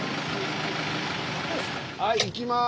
はい行きます！